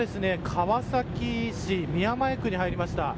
川崎市宮前区に入りました。